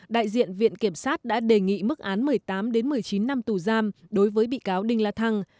đại diện viện kiểm sát đã đề nghị mức án một mươi tám một mươi chín năm tù giam đối với bị cáo đinh la thăng